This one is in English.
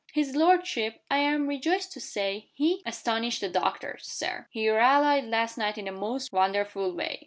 "His lordship, I am rejoiced to say, has astonished the doctors, Sir. He rallied last night in the most wonderful way.